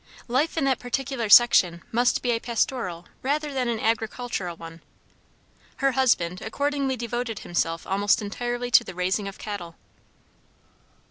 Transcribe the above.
Life in that particular section must be a pastoral rather than an agricultural one: her husband accordingly devoted himself almost entirely to the raising of cattle.